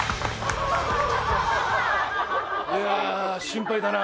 「いや心配だな」